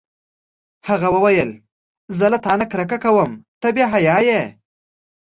هغه وویل: زه له تا نه کرکه کوم، ته بې حیا یې.